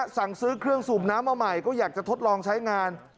สั่งซื้อเครื่องสูบน้ำมาใหม่ก็อยากจะทดลองใช้งาน